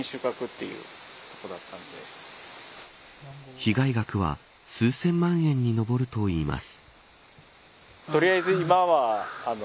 被害額は数千万円に上るといいます。